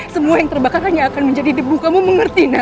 semua yang terbakar hanya akan menjadi debu kamu mengerti